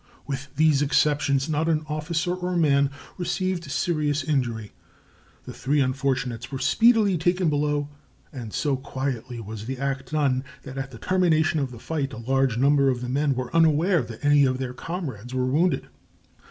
With these exceptions, not an officer or man received serious injury. The three unfortunates were speedily taken below, and so quietly was the act done, that at the termination of the fight a large number of the men were unaware that any of their comrades were wounded.